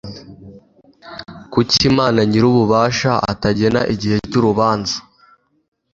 kuki imana nyirububasha atagena igihe cy'urubanza